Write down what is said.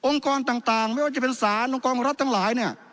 องค์กรต่างไม่ว่าจะเป็นศาลองค์กรของรัฐทั้งหลาย